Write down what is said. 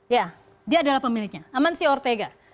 ya dia adalah pemiliknya amansi ortega